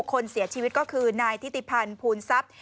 คนเสียชีวิตก็คือนายทิติพันธ์ภูลทรัพย์